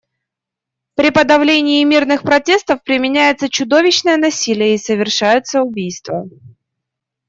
При подавлении мирных протестов применяется чудовищное насилие и совершаются убийства.